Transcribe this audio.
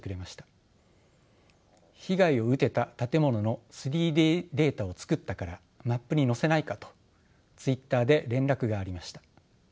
「被害を受けた建物の３Ｄデータを作ったからマップに載せないか」とＴｗｉｔｔｅｒで連絡がありました。